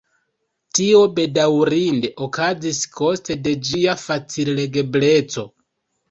Tio bedaŭrinde okazis koste de ĝia facil-legebleco.